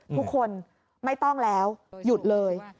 ทุกคนไม่ต้องแล้วหยุดเลย